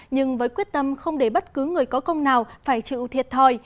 nhưng với quyết tâm không để bất cứ người có công nào phải chịu thiệt thòi